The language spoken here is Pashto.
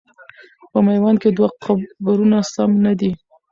په میوند کې دوه قبرونه سم نه دي.